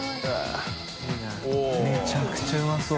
繊めちゃくちゃうまそう。